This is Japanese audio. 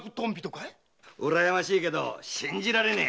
うらやましいが信じられねえ。